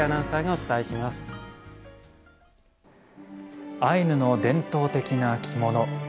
アイヌの伝統的な着物。